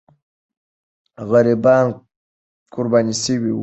غریبان قرباني سوي وو.